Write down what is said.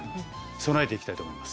備えていきたいと思います。